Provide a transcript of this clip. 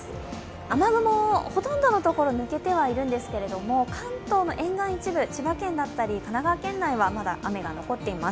雨雲、ほとんどの所抜けてはいるんですが関東の沿岸、一部千葉県、神奈川県内はまだ雨が残っています。